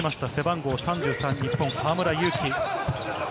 背番号３３、日本、河村勇輝。